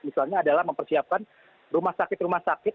misalnya adalah mempersiapkan rumah sakit rumah sakit